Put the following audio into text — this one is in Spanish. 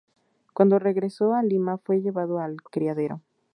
Cuando regresó a Lima fue llevado al criadero.